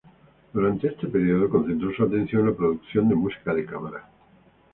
Durante este período concentró su atención en la producción de música de cámara.